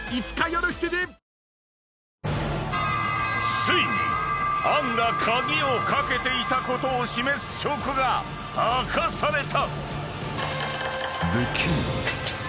［ついに杏が鍵を掛けていたことを示す証拠が明かされた］